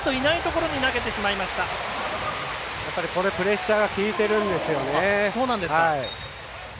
このプレッシャーが効いているんですよね。